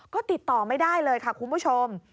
ก็ติดต่อไม่ได้เลยค่ะคุณผู้ชม